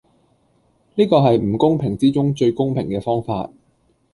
呢個係唔公平之中最公平既方法